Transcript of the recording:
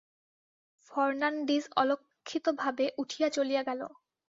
Fernandez অলক্ষিতভাবে উঠিয়া চলিয়া গেল।